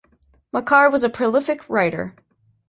Machar was a prolific writer.